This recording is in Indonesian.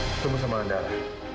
ketemu sama andara